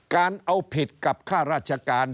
การเอาผิดกับค่าราชการ